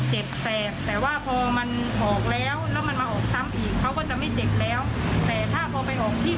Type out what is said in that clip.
แต่ว่าพอมันออกแล้วแล้วมันมาออกซ้ำอีก